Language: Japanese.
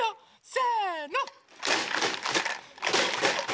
せの！